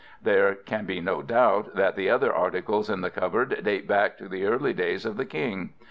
There can be no doubt that the other articles in the cupboard date back to the early days of that king.